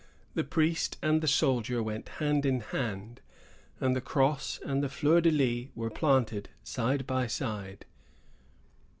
The priest and the soldier went hand in hand; and the cross and the fleur de lis were planted side by side.